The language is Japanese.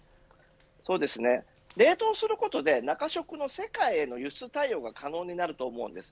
そうですね。冷凍することで中食の世界への輸出対応が可能になると思うんです。